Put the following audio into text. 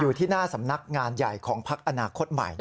อยู่ที่หน้าสำนักงานใหญ่ของพักอนาคตใหม่